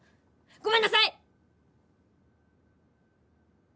ごめんなさい！